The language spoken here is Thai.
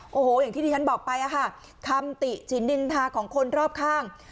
โอ้โหอย่างที่ที่ฉันบอกไปอะค่ะคำติฉินนินทาของคนรอบข้าง